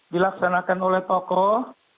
dilaksanakan oleh tokoh